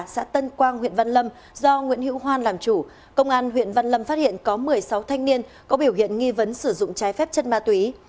xã tân quang huyện văn lâm do nguyễn hữu hoan làm chủ công an huyện văn lâm phát hiện có một mươi sáu thanh niên có biểu hiện nghi vấn sử dụng trái phép chất ma túy